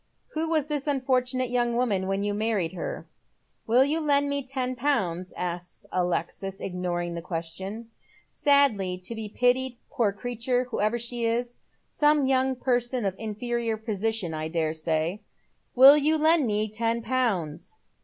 " Who was this unfortunate young woman when you married her ?"" Will you lend me ten pounds ?" asks Alexis, ignoring the question. " Sadly to be pitied, poor creature, whoever she waa. Some youn§ person of inferior position, I dare say." 20 Dead Mm' it Shoei. •• "Will you lend me ten pounds